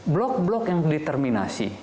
blok blok yang determinasi